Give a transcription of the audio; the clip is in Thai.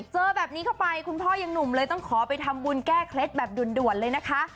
เจอแบบนี้เข้าไปคุณพ่อยังหนุ่มเลยต้องขอไปทำบุญแก้เคล็ดแบบด่วนเลยนะคะ